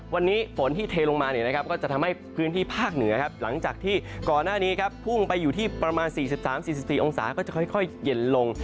วันนี้ฝนที่เทลงมาก็จะทำให้พื้นที่ภาคเหนือครับหลังจากที่ก่อนหน้านี้ครับพุ่งไปอยู่ที่ประมาณ๔๓๔๔องศาก็จะค่อยเย็นลง